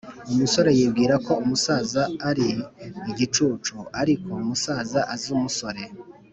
umusore yibwira ko umusaza ari igicucu ariko umusaza azi umusore